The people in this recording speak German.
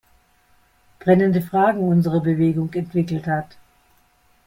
Brennende Fragen unserer Bewegung"“ entwickelt hat.